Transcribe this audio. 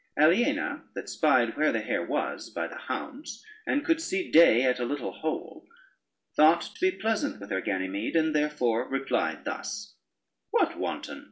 Aliena, that spied where the hare was by the hounds, and could see day at a little hole, thought to be pleasant with her Ganymede, and therefore replied thus: "What, wanton!